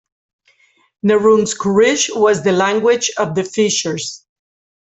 Nehrungs-kurisch was the language of the fishers.